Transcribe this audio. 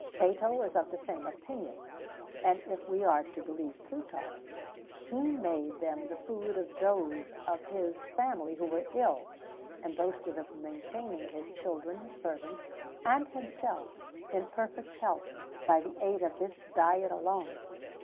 [XVII 40] Cato was of the same opinion; and, if we are to believe Plutarch, he made them the food of those of his family who were ill, and boasted of maintaining his children, servants, and himself in perfect health, by the aid of this diet alone.